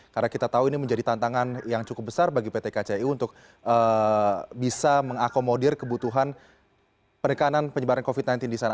karena kita tahu ini menjadi tantangan yang cukup besar bagi pt kci untuk bisa mengakomodir kebutuhan penekanan penyebaran covid sembilan belas di sana